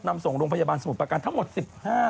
นำส่งโรงพยาบาลสมุทรประการทั้งหมด๑๕